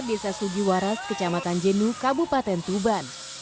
desa sugiwaras kecamatan jenu kabupaten tuban